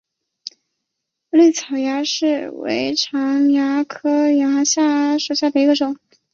葎草蚜为常蚜科蚜属下的一个种。